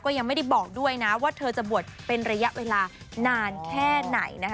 ยังไม่ได้บอกด้วยนะว่าเธอจะบวชเป็นระยะเวลานานแค่ไหนนะคะ